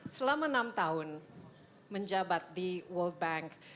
selama enam tahun menjabat di world bank